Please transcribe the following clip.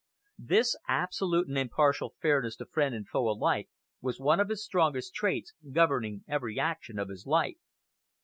This absolute and impartial fairness to friend and foe alike was one of his strongest traits, governing every action of his life.